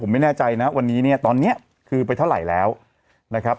ไม่แน่ใจนะวันนี้เนี่ยตอนเนี้ยคือไปเท่าไหร่แล้วนะครับ